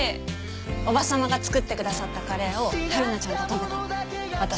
おば様が作ってくださったカレーを春菜ちゃんと食べたの私